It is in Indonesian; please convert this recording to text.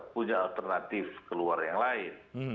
punya alternatif keluar yang lain